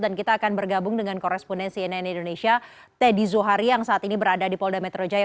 dan kita akan bergabung dengan koresponen cnn indonesia teddy zuhari yang saat ini berada di polda metro jaya